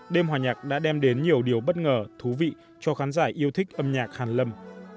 đêm hòa nhạc đã đem đến nhiều điều bất ngờ thú vị cho khán giả yêu thích âm nhạc hàn lâm